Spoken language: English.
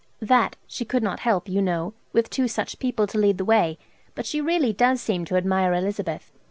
That she could not help, you know, with two such people to lead the way, but she really does seem to admire Elizabeth.